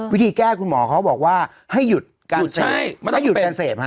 วิธีแก้คุณหมอเขาบอกว่าให้หยุดการเสพหยุดใช่ให้หยุดการเสพฮะ